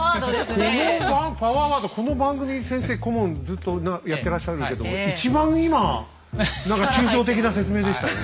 このパワーワードこの番組先生顧問ずっと長くやってらっしゃるけども一番今何か抽象的な説明でしたよ？